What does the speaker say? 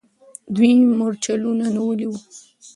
دوی مرچلونه نیولي وو.